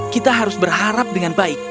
kita harus berharap dengan baik